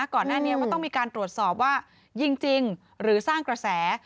ก่อนหน้านี้ก็ต้องมีการตรวจสอบว่ายิงจริงหรือสร้างกระแส